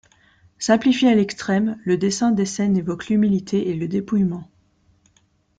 Simplifié à l’extrême le dessin des scènes évoque l’humilité et le dépouillement.